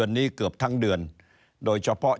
สวัสดีครับท่านผู้ชมครับ